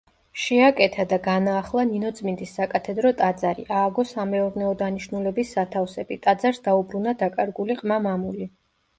შეაკეთა და განაახლა ნინოწმინდის საკათედრო ტაძარი, ააგო სამეურნეო დანიშნულების სათავსები, ტაძარს დაუბრუნა დაკარგული ყმა-მამული.